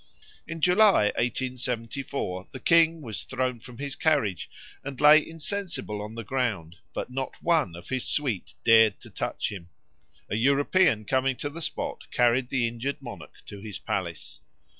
In July 1874 the king was thrown from his carriage and lay insensible on the ground, but not one of his suite dared to touch him; a European coming to the spot carried the injured monarch to his palace.